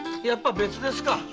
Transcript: やっぱり別ですか。